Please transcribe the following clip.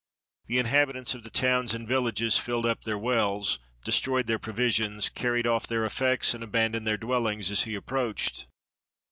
The inhabitants of the towns and villages filled up their wells, destroyed their provisions, carried oft" their effects, and abandoned their dwellings, as he approached.